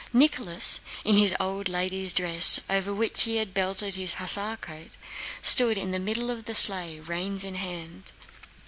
Nicholas, in his old lady's dress over which he had belted his hussar overcoat, stood in the middle of the sleigh, reins in hand.